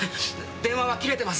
電話は切れてます。